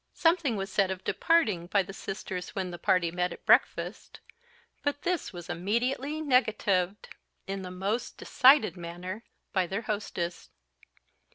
Something was said of departing by the sisters when the party met at breakfast; but this was immediately negatived in the most decided manner by their hostess.